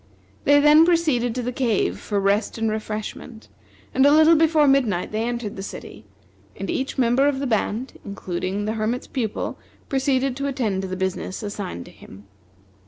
They then proceeded to the cave for rest and refreshment; and a little before midnight they entered the city, and each member of the band, including the Hermit's Pupil, proceeded to attend to the business assigned to him.